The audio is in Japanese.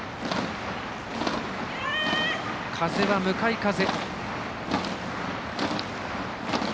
風は向かい風。